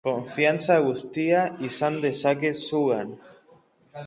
Konfiantza guztia izan dezaket zugan?